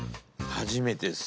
初めてです。